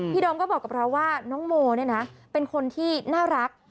โดมก็บอกกับเราว่าน้องโมเนี่ยนะเป็นคนที่น่ารัก